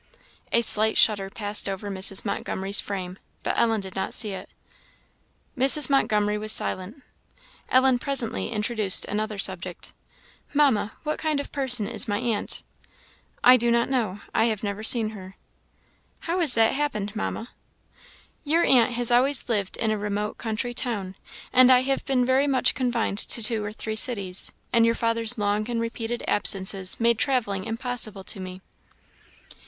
A slight shudder passed over Mrs. Montgomery's frame, but Ellen did not see it. Mrs. Montgomery was silent. Ellen presently introduced another subject. "Mamma, what kind of a person is my aunt?" "I do not know I have never seen her." "How has that happened, Mamma?" "Your aunt has always lived in a remote country town, and I have been very much confined to two or three cities, and your father's long and repeated absences made travelling impossible to me."